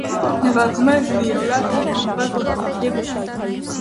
Նվագում է (վիոլա դա գամբա) գործիքի վրա։